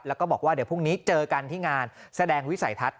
แล้วก็บอกว่าเดี๋ยวพรุ่งนี้เจอกันที่งานแสดงวิสัยทัศน